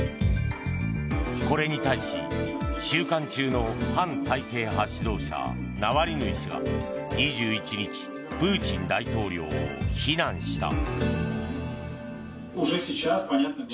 これに対し、収監中の反体制派指導者ナワリヌイ氏が２１日プーチン大統領を非難した。